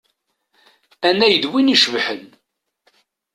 Anay d win icebḥen.